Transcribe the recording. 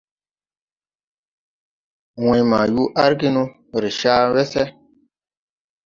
Wãy ma yuu argi no ree ca wese.